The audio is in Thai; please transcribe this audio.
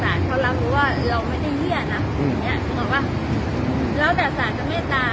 สารเขาเรามึงว่าเราไม่ได้เหี้ยนะอย่างเนี้ยมึงบอกว่าแล้วแต่สารจะไม่ตาม